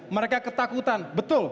mereka ketakutan betul